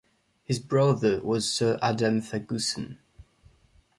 His brother was Sir Adam Ferguson.